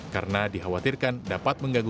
karena dikhawatirkan dapat mengembangkan